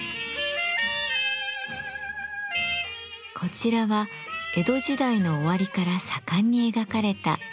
こちらは江戸時代の終わりから盛んに描かれた柳の絵。